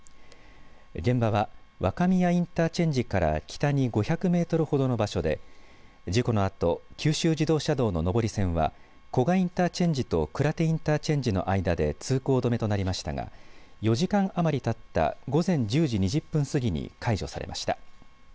現場は若宮インターチェンジから北に５００メートルほどの場所で事故のあと九州自動車道の上り線は古賀インターチェンジと鞍手インターチェンジの間で通行止めとなりましたが４時間余りたった午前１０時２０分過ぎに解除されました。